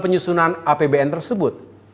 penyusunan apbn tersebut